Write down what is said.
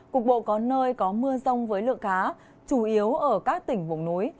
cục bộ có nơi có mưa rông với lượng cá chủ yếu ở các tỉnh vùng núi